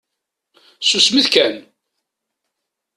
Susmet kan!